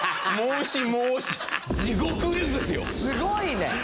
すごいね！